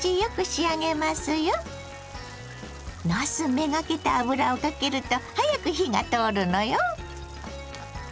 なす目がけて油をかけると早く火が通るのよ。